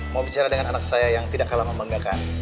mau bicara dengan anak saya yang tidak kalah membanggakan